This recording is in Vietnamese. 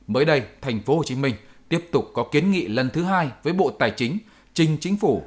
mới đây tp hcm tiếp tục có kiến nghị lần thứ hai với bộ tài chính trình chính phủ